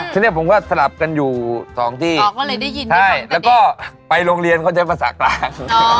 ที่เนี่ยผมก็สลับกันอยู่๒ที่แล้วก็ไปโรงเรียนเขาจะใช้ภาษากรรม